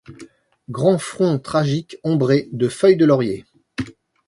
Grand front tragique ombré de feuilles de laurier